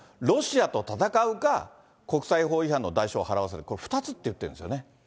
ロシアと戦うか、国際法違反の代償を払わせる、これ、２つって言ってるんですよね。